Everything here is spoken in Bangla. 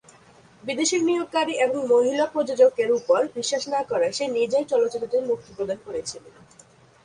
বিদেশি বিনিয়োগকারী এবং মহিলা প্রযোজকের ওপর বিশ্বাস না করায় সে নিজেই চলচ্চিত্রটি মুক্তি প্রদান করেছিলেন।